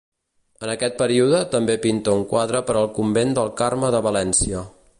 En aquest període també pinta un quadre per al convent del Carme de València.